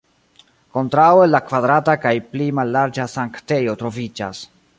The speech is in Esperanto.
Kontraŭe la kvadrata kaj pli mallarĝa sanktejo troviĝas.